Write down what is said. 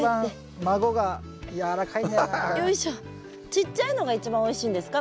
ちっちゃいのが一番おいしいんですか？